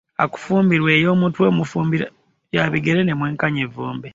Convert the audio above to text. Akufumbira ey'omutwe omufumbira ya bigere ne mwenkanya evvumbe.